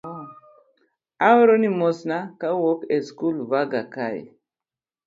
aoroni mosna kawuokb e skul Vanga kae,